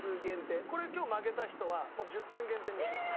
これ今日負けた人はもう１０点減点にしよう。